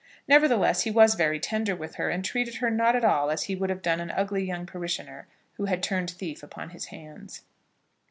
Nevertheless, he was very tender with her, and treated her not at all as he would have done an ugly young parishioner who had turned thief upon his hands.